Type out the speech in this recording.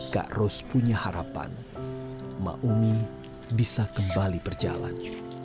kak ros punya harapan maumi bisa kembali berjalan